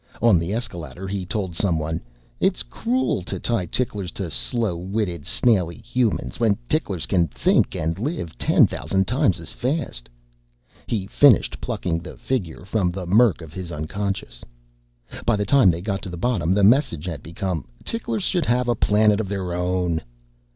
On the escaladder he told someone, "It's cruel to tie ticklers to slow witted snaily humans when ticklers can think and live ... ten thousand times as fast," he finished, plucking the figure from the murk of his unconscious. By the time they got to the bottom, the message had become, "Ticklers should have a planet of their own!"